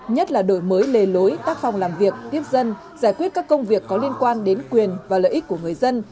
nhất là đổi mới lề lối tác phong làm việc tiếp dân giải quyết các công việc có liên quan đến quyền và lợi ích của người dân